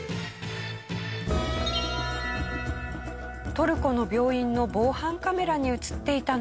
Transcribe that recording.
トルコの病院の防犯カメラに映っていたのは。